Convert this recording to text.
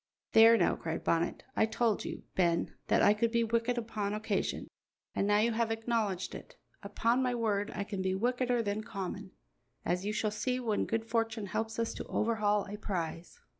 "There now," cried Bonnet, "I told you, Ben, that I could be wicked upon occasion, and now you have acknowledged it. Upon my word, I can be wickeder than common, as you shall see when good fortune helps us to overhaul a prize."